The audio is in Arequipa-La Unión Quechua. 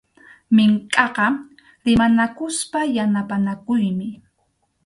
Minkʼaqa rimanakuspa yanapanakuymi.